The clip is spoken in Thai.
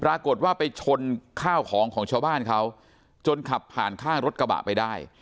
ปรากฏว่าไปชนข้าวของของชาวบ้านเขาจนขับผ่านข้างรถกระบะไปได้